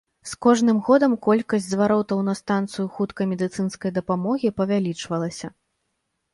З кожным годам колькасць зваротаў на станцыю хуткай медыцынскай дапамогі павялічвалася.